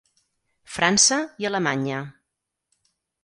França i Alemanya.